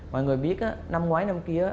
mọi người biết năm ngoái năm kia